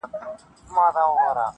دا د افغان د لوی ټبر مېنه ده-